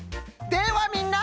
ではみんな！